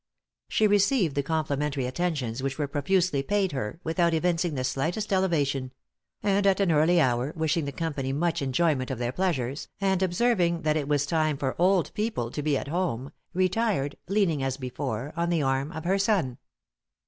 She received the complimentary attentions which were profusely paid her, without evincing the slightest elevation; and at an early hour, wishing the company much enjoyment of their pleasures, and observing that it was time for old people to be at home, retired, leaning as before, on the arm of her son.